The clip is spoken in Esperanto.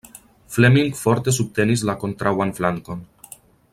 Fleming forte subtenis la kontraŭan flankon.